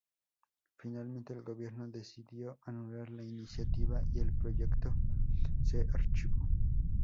Finalmente, el gobierno decidió anular la iniciativa y el proyecto se archivó.